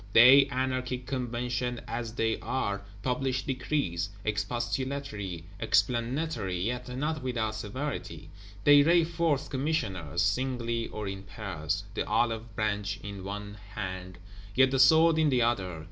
They, anarchic Convention as they are, publish Decrees, expostulatory, explanatory, yet not without severity: they ray forth Commissioners, singly or in pairs, the olive branch in one hand, yet the sword in the other.